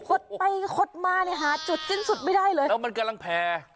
คดไปคดมาเลยฮะจุดจนสุดไม่ได้เลยแล้วมันกำลังแผล